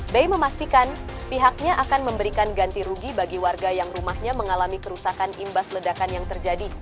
bi memastikan pihaknya akan memberikan ganti rugi bagi warga yang rumahnya mengalami kerusakan imbas ledakan yang terjadi